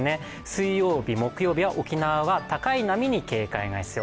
水曜日、木曜日は沖縄は高い波に注意が必要。